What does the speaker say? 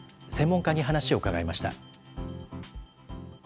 専門家に話を伺いました。